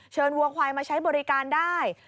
วัวควายมาใช้บริการได้